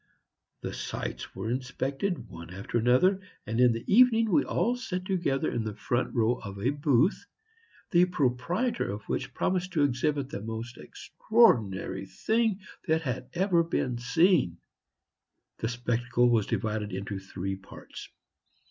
The sights were inspected one after another, and in the evening we all sat together in the front row of a booth, the proprietor of which promised to exhibit the most extraordinary thing that had ever been seen. The spectacle was divided into three parts.